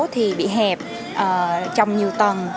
thì bị hẹp trong nhiều tầng